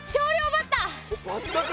バッタか。